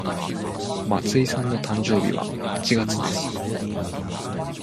松井さんの誕生日は八月です。